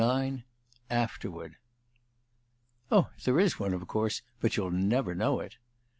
he said. AFTERWARD I "Oh, there is one, of course, but you'll never know it."